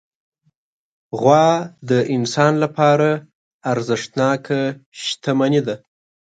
غوا د انسان لپاره ارزښتناکه شتمني ده.